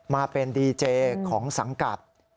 มาเป็นดีเจของสังกัด